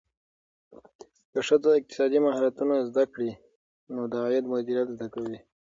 که ښځه اقتصادي مهارتونه زده کړي، نو د عاید مدیریت زده کوي.